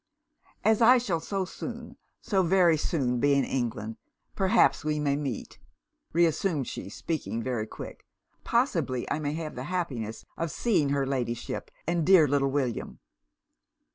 'As I shall so soon, so very soon be in England, perhaps we may meet,' reassumed she, speaking very quick 'possibly I may have the happiness of seeing her Ladyship and dear little William.'